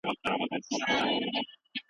په ګرځېدو کې د کار فشار نه احساسېږي.